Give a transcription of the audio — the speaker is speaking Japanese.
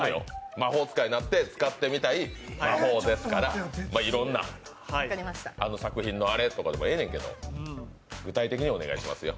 魔法使いになって使ってみたい魔法ですからいろんな作品のアレとかでもええねんけど、具体的にお願いしますよ。